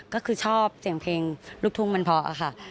ก็คือชอบเสียงเพลงลูกทุ่งมันเพาะค่ะ